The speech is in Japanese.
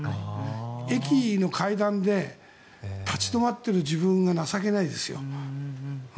駅の階段で立ち止まっている自分が情けないですよ。